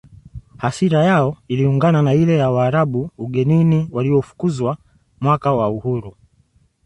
Hasira yao iliungana na ile ya Waarabu ugenini waliofukuzwa mwaka wa uhuru